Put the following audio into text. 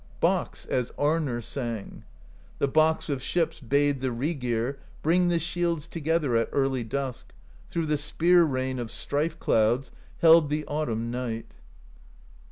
Box, as Arnorr sang: The Box of Ships bade the Rygir Bring the shields together At early dusk; through the spear rain Of strife clouds held the autumn night.